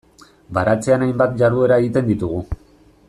Baratzean hainbat jarduera egiten ditugu.